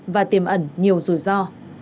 và tiềm ẩn nhiều rủi ro